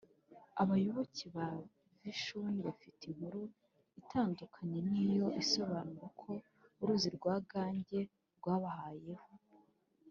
abayoboke ba vishinu bafite inkuru itandukanye n’iyo isobanura uko uruzi rwa gange rwabayeho.